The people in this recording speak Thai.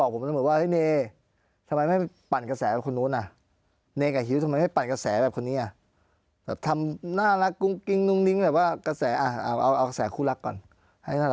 คนทำงานแบบนี้มันอยู่ได้เพราะกระแส